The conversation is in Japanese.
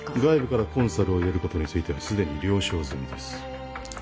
外部からコンサルを入れることについては既に了承済みです。